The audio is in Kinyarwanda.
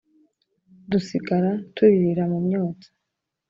dusigara turirira mumyotsi”